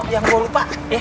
yang gua lupa